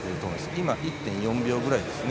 今、１．４秒くらいですね。